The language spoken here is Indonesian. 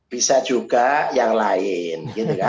bisa juga yang lain